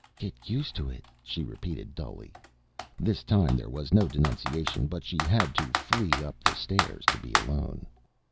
"Get used to it," she repeated dully. This time there was no denunciation but she had to flee up the stairs to be alone.